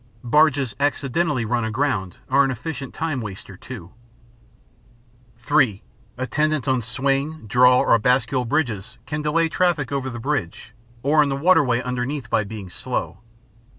Barges "accidentally" run aground are an efficient time waster too. (3) Attendants on swing, draw, or bascule bridges can delay traffic over the bridge or in the waterway underneath by being slow.